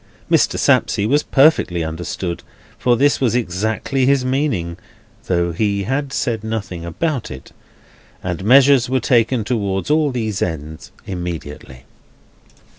Mr. Sapsea was perfectly understood, for this was exactly his meaning (though he had said nothing about it); and measures were taken towards all these ends immediately.